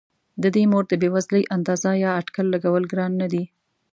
د دې مور د بې وزلۍ اندازه یا اټکل لګول ګران نه دي.